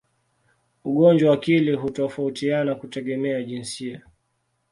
Ugonjwa wa akili hutofautiana kutegemea jinsia.